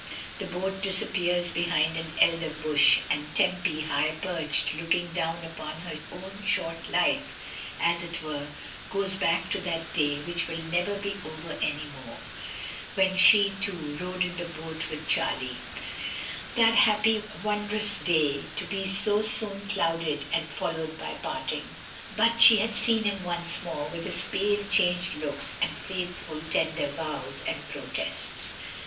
The boat disappears behind an elder bush, and Tempy, high perched, looking down upon her own short life, as it were, goes back to that day which will never be over any more, when she, too, rowed in the boat with Charlie — that happy wondrous day, to be so soon clouded and followed by parting. But she had seen him once more, with his pale, changed looks and faithful tender vows and pro tests.